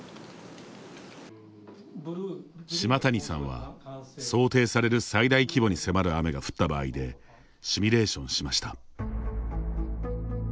島谷さんは想定される最大規模に迫る雨が降った場合でシミュレーションしました。